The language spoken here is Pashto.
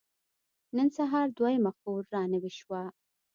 نن سهار دويمه خور را نوې شوه.